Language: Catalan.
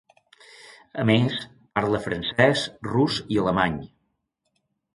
A més, parla francès, rus i alemany.